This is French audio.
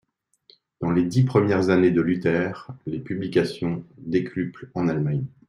Dans les dix premières années de Luther, les publications décuplent en Allemagne.